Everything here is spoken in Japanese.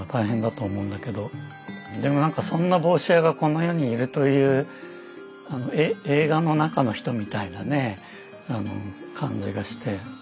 でもなんかそんな帽子屋がこの世にいるという映画の中の人みたいなね感じがして。